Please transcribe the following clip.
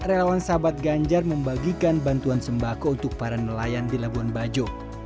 relawan sahabat ganjar membagikan bantuan sembako untuk para nelayan di labuan bajo